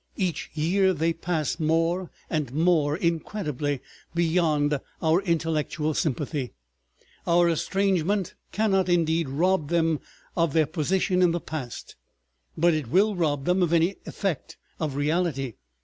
Each year they pass more and more incredibly beyond our intellectual sympathy. Our estrangement cannot, indeed, rob them of their portion in the past, but it will rob them of any effect of reality.